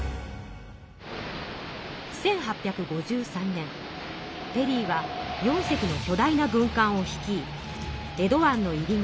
１８５３年ペリーは４隻のきょ大な軍艦を率い江戸湾の入り口